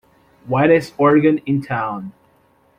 Wildest Organ in Town!